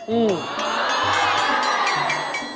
อืม